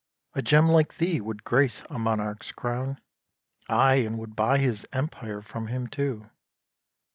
A gem like thee would grace a monarch's crown; Aye! and would buy his empire from him too.